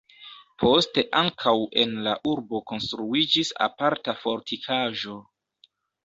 Poste ankaŭ en la urbo konstruiĝis aparta fortikaĵo.